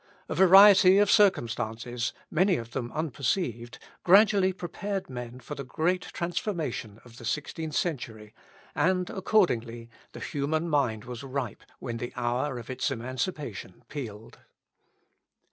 A variety of circumstances, many of them unperceived, gradually prepared men for the great transformation of the sixteenth century, and, accordingly, the human mind was ripe when the hour of its emancipation pealed.